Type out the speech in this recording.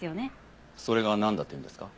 それがなんだというんですか？